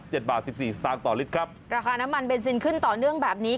บาทสิบสี่สตางค์ต่อลิตรครับราคาน้ำมันเบนซินขึ้นต่อเนื่องแบบนี้